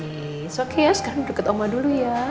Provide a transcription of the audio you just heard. it's okay ya sekarang duduk deket oma dulu ya